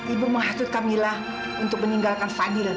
ibu menghasut kamilah untuk meninggalkan fadil